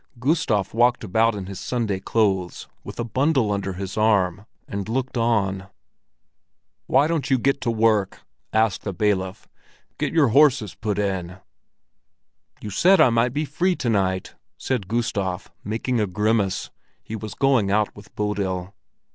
Gustav walked about in his Sunday clothes with a bundle under his arm, and looked on. "Why don't you get to work?" asked the bailiff. "Get your horses put in." "You said yourself I might be free to day," said Gustav, making a grimace. He was going out with Bodil.